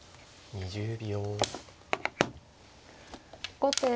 ２０秒。